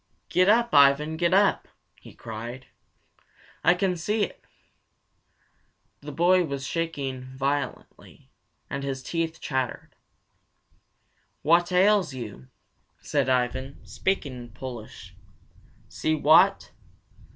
"Get up, Ivan, get up!" he cried. "I can see it!" The boy was shaking violently, and his teeth chattered. "What ails you?" said Ivan, speaking in Polish. "See what?"